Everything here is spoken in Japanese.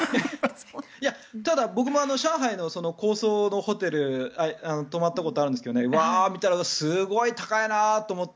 ただ、僕も上海の高層のホテルに泊まったことがあるんですけど見たら、すごい高いなと思って。